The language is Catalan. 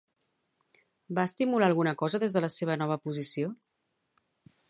Va estimular alguna cosa des de la seva nova posició?